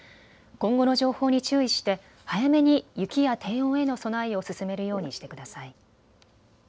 今後の情報に注意して早めに雪や低温への備えを進めるようにしてください。